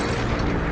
ada teman mata